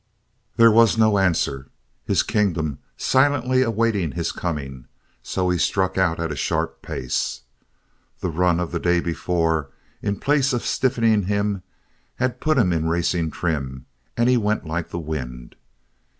There was no answer. His kingdom silently awaited his coming so he struck out at a sharp pace. The run of the day before, in place of stiffening him, had put him in racing trim and he went like the wind.